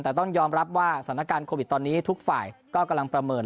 แต่ต้องยอมรับว่าสถานการณ์โควิดตอนนี้ทุกฝ่ายก็กำลังประเมิน